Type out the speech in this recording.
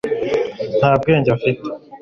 nta bwenge afite